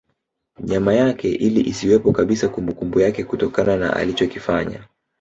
Nyama yake ili isiwepo kabisa kumbukumbu yake kutokana na alichikofanya